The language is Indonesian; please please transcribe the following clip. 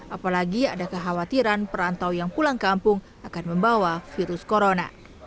apalagi ada kekhawatiran perantau yang pulang kampung akan membawa virus corona